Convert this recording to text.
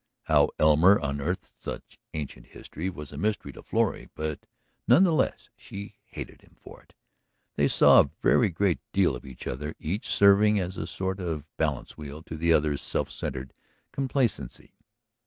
How Elmer unearthed such ancient history was a mystery to Florrie; but none the less she "hated" him for it. They saw a very great deal of each other, each serving as a sort of balance wheel to the other's self centred complacency.